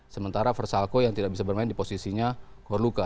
sementara velsalko yang tidak bisa bermain di posisinya kourlouka